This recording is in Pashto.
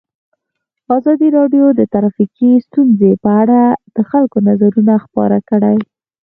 ازادي راډیو د ټرافیکي ستونزې په اړه د خلکو نظرونه خپاره کړي.